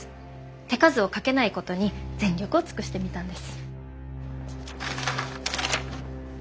手数をかけないことに全力を尽くしてみたんです。